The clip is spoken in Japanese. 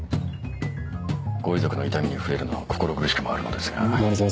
ご遺族の痛みに触れるのは心苦しくもあるのですが。